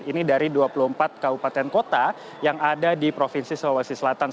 ini dari dua puluh empat kabupaten kota yang ada di provinsi sulawesi selatan